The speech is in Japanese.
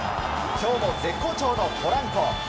今日も絶好調のポランコ。